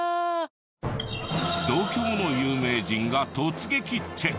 同郷の有名人が突撃チェック！